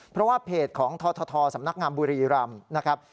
เพราะว่าเพจของททสำนักงามบุรีรำนะครับ